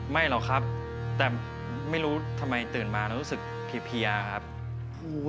หรอกครับแต่ไม่รู้ทำไมตื่นมาเรารู้สึกเพียครับ